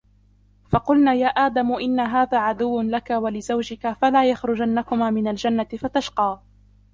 فقلنا يا آدم إن هذا عدو لك ولزوجك فلا يخرجنكما من الجنة فتشقى